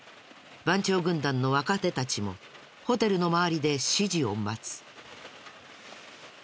番長軍団の若手たちもホテルの周りで指示を待つ。